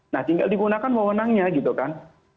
nah tinggal digunakan pemenangnya gitu kan